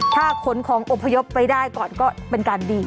ถ้าขนของอพยพไปได้ก่อนก็เป็นการดี